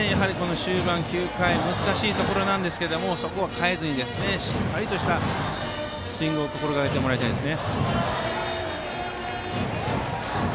終盤、９回難しいところですがそこは変えずにしっかりとしたスイングを心がけてもらいたいです。